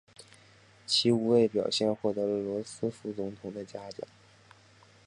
其无畏表现获得了罗斯福总统的嘉奖。